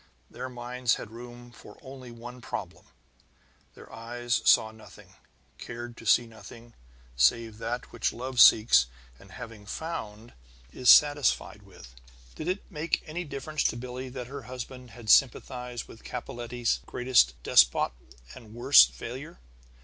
Their minds had room for only one problem; their eyes saw nothing, cared to see nothing, save that which love seeks and, having found, is satisfied with. Did it make any difference to Billie that her husband had sympathized with Capellette's greatest despot and worst failure?